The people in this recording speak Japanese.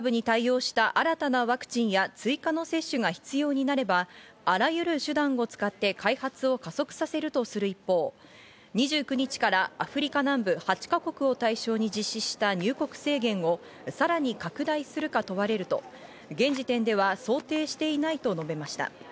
オミクロン株に対応した新たなワクチンや追加の接種が必要になれば、あらゆる手段を使って開発を加速させるとする一方、２９日からアフリカ南部８か国を対象に実施した入国制限をさらに拡大するか問われると、現時点では想定していないと述べました。